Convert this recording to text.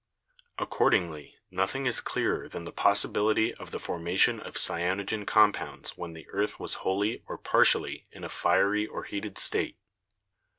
"Accordingly, nothing is clearer than the possibility of the formation of cyanogen compounds when the earth was wholly or partially in a fiery or heated state."